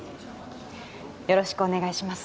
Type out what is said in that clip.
よろしくお願いします